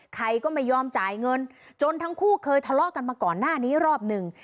ใครก็ไม่ยอมจ่ายเงินจนทั้งคู่เคยทะเลาะกันมาก่อนหน้านี้รอบหนึ่ง